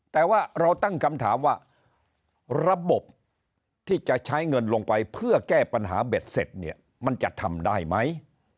แต่ว่าเราตั้งคำถามว่าระบบที่จะใช้เงินลงไปเพื่อแก้ปัญหาเบ็ดเสร็จเนี่ยมันจะทำได้ไหม